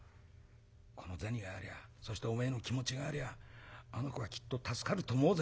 この銭がありゃそしておめえの気持ちがありゃあの子はきっと助かると思うぜ」。